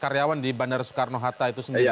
karyawan di bandara soekarno hatta itu sendiri